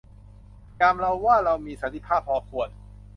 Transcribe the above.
ยามเราว่า เรามีสันติภาพพอควร